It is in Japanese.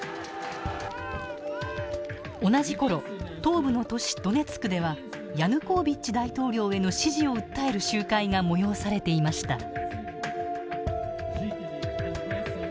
同じ頃東部の都市ドネツクではヤヌコービッチ大統領への支持を訴える集会が催されていました。